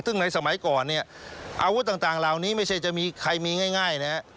ซึ่งในสมัยก่อนอาวุธต่างราวนี้ไม่ใช่จะมีใครมีง่าย